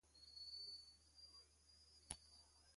Ó rzènjé rzùkúlù.